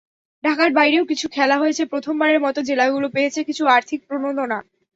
ঢাকার বাইরেও কিছু খেলা হয়েছে, প্রথমবারের মতো জেলাগুলো পেয়েছে কিছু আর্থিক প্রণোদনাও।